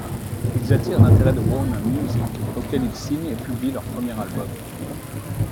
Ils attirent l'intérêt de Warner Music auquel ils signent et publient leur premier album.